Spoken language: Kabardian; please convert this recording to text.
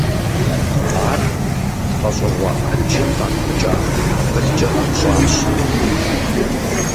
Ар лӀэщӀыгъуэ Ӏэджэм къапхыкӀа акъылкӀэ гъэнщӀащ.